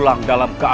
jangan lupa like